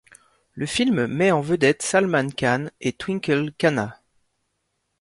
Le film met en vedette Salman Khan et Twinkle Khanna.